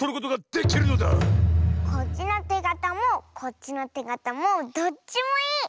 こっちのてがたもこっちのてがたもどっちもいい！